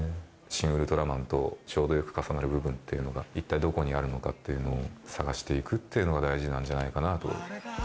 シン・ウルトラマンとちょうどよく重なる部分っていうのが一体どこにあるのかっていうのを探していくっていうのが大事なんじゃな